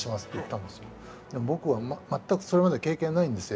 僕は全くそれまで経験ないんですよ。